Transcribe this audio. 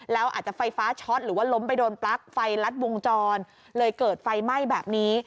แล้วอาจจะไฟฟ้าช็อตหรือว่าล้มไปโดนปลั๊กไฟลัดวงจรเลยเกิดไฟไหม้แบบนี้